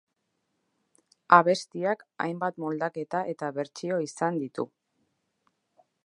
Abestiak hainbat moldaketa eta bertsio izan ditu.